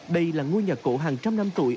đây là ngôi nhà cổ hàng trăm năm tuổi